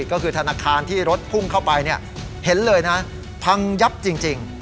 ก็คือธนาคารที่รถพุ่งเข้าไปเห็นเลยนะพังยับจริง